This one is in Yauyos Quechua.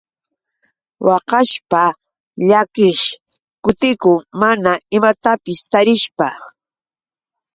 Waqashpa llakiish kutikun mana imatapis tarishpa.